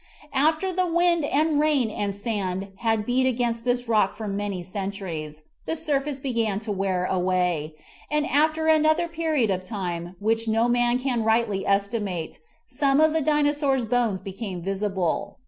After the wind and rain and sand had beat against this rock for many centuries, the surface began to wear away ; and, after another period of time which no man can rightly estimate, some of the Dinosaur's bones became visible.